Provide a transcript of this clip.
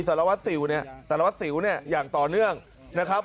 สารวัติศิลป์เนี่ยสารวัติศิลป์เนี่ยอย่างต่อเนื่องนะครับ